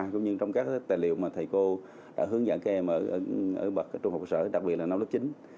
cũng như trong các tài liệu mà thầy cô đã hướng dẫn các em ở bậc trung học cơ sở đặc biệt là năm lớp chín